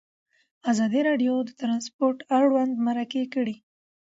ازادي راډیو د ترانسپورټ اړوند مرکې کړي.